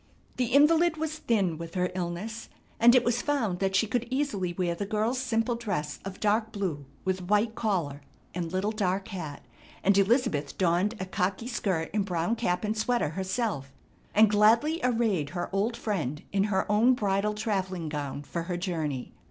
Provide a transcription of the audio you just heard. The invalid was thin with her illness, and it was found that she could easily wear the girl's simple dress of dark blue with a white collar, and little dark hat, and Elizabeth donned a khaki skirt and brown cap and sweater herself and gladly arrayed her old friend in her own bridal travelling gown for her journey.